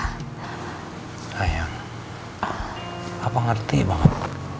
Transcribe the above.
sayang pak ngerti banget